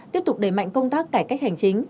tiếp tục đẩy mạnh công tác cải cách hành chính